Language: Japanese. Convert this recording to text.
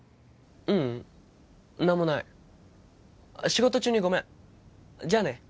ううん何もない仕事中にごめんじゃあね